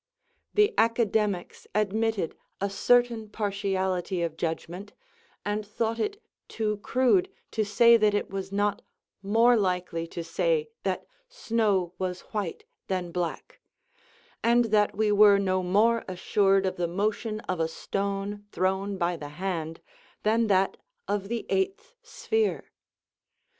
The Academics admitted a certain partiality of judgment, and thought it too crude to say that it was not more likely to say that snow was white than black; and that we were no more assured of the motion of a stone, thrown by the hand, than of that of the eighth sphere.